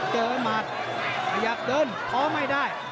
เจอหมัดอยากเดินท้อไม่ได้